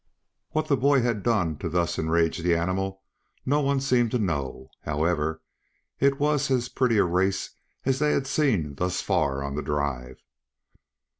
What the boy had done to thus enrage the animal no one seemed to know. However, it was as pretty a race as they had seen thus far on the drive.